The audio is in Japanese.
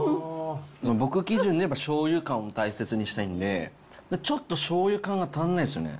僕基準でいえば、しょうゆ感を大切にしたいんで、ちょっとしょうゆ感が足んないですよね。